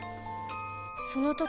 その時